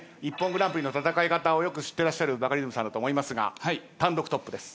『ＩＰＰＯＮグランプリ』の戦い方をよく知ってらっしゃるバカリズムさんだと思いますが単独トップです。